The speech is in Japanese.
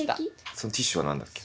そのティッシュは何だっけ？